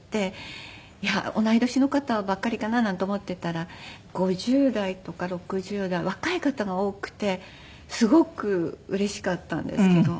同い年の方ばっかりかななんて思っていたら５０代とか６０代若い方が多くてすごくうれしかったんですけど。